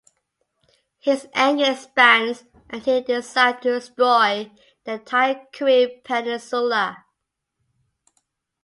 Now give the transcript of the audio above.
His anger expands and he decides to destroy the entire Korean Peninsula.